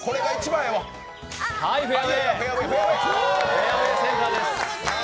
フェアウエー、センターです。